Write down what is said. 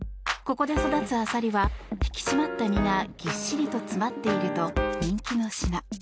ここで育つアサリは引き締まった身がぎっしりと詰まっていると人気の品。